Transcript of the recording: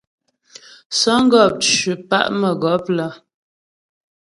Sə̌ŋgɔp ncʉ pa' mə́gɔp áa.